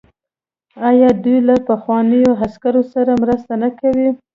آیا دوی له پخوانیو عسکرو سره مرسته نه کوي؟